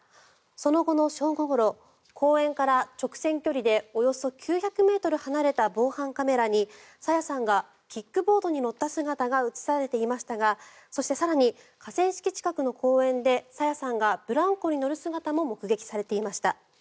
その後の正午ごろ、公園から直線距離でおよそ９００ｍ離れた防犯カメラに朝芽さんがキックボードに乗った姿が映されていましたがそして更に河川敷近くの公園で朝芽さんがブランコに乗る姿も目撃されていました。